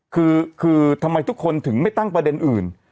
คือทำไมทุกคนถึงไม่ตั้งประเด็นอื่น